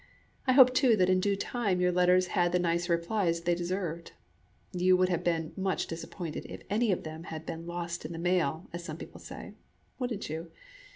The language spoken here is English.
I hope, too, that in due time your letters had the nice replies they deserved. You would have been much disappointed if any of them had been "lost in the mail," as people say, wouldn't you?